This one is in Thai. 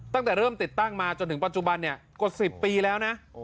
ตั้งแต่เริ่มติดตั้งมาจนถึงปัจจุบันกว่า๑๐ปีแล้วนะ